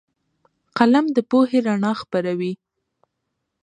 قلم د پوهې رڼا خپروي